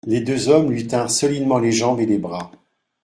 Les deux hommes lui tinrent solidement les jambes et les bras.